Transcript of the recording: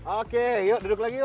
oke yuk duduk lagi yuk